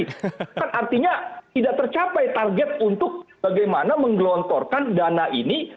kan artinya tidak tercapai target untuk bagaimana menggelontorkan dana ini